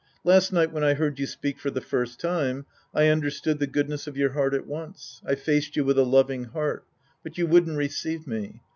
Last night when I heard you speak for the first time, I understood the goodness of your heart at once. I faced you with a loving heart. But you wouldn't receive me.